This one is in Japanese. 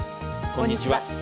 こんにちは。